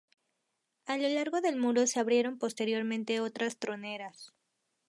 A lo largo del muro se abrieron posteriormente otras troneras.